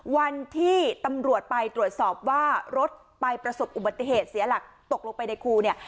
วันที่ตำรวจไปตรวจสอบว่ารถไปประสบอุบัติเหตุเสียหลักตกลงไปในคูเนี่ย